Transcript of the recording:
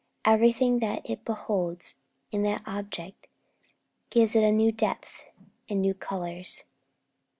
Everything that it beholds in that Object gives it new depth and new colours.